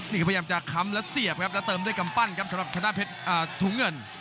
นี่ก็พยายามจะค้ำและเสียบครับแล้วเติมด้วยกำปั้นครับสำหรับธนาเพชรถุงเงิน